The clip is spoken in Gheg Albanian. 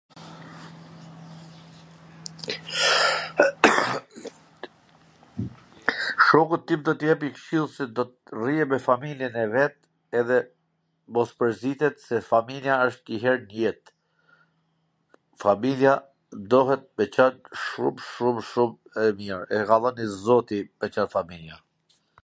Shokut tim do t i jepja kshill se do t rrije me familjen e vet, edhe mos mwrzitet se familja wsht njw her n jet, familja duhet me qan shum shum e mir, e ka dhwn i zoti me qan familja